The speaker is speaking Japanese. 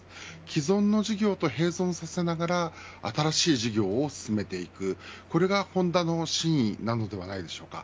既存の事業と併存させながら新しい事業を進めていくこれがホンダの真意なんではないでしょうか。